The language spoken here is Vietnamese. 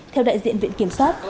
theo đại diện viện kiểm soát